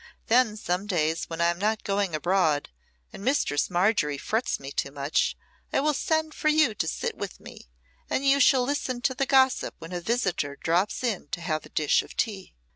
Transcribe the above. Then some days, when I am not going abroad and Mistress Margery frets me too much, I will send for you to sit with me, and you shall listen to the gossip when a visitor drops in to have a dish of tea."